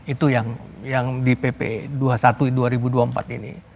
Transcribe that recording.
itu yang di pp dua puluh satu dua ribu dua puluh empat ini